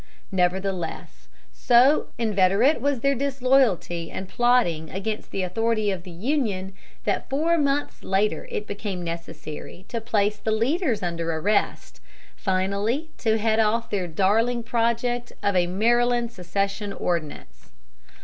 Nevertheless, so inveterate was their disloyalty and plotting against the authority of the Union, that four months later it became necessary to place the leaders under arrest, finally to head off their darling project of a Maryland secession ordinance.